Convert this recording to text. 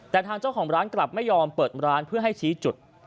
แต่ทางเจ้าของร้านกลับไม่ยอมเปิดร้านเพื่อให้ชี้จุด